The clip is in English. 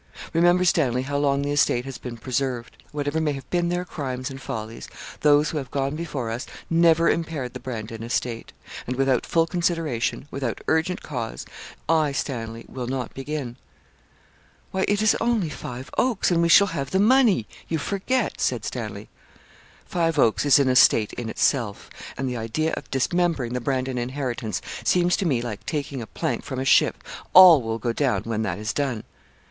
Remember, Stanley, how long the estate has been preserved. Whatever may have been their crimes and follies, those who have gone before us never impaired the Brandon estate; and, without full consideration, without urgent cause, I, Stanley, will not begin.' 'Why, it is only Five Oaks, and we shall have the money, you forget,' said Stanley. 'Five Oaks is an estate in itself; and the idea of dismembering the Brandon inheritance seems to me like taking a plank from a ship all will go down when that is done.'